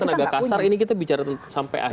tapi yang tenaga kasar ini kita bicara sampai akhir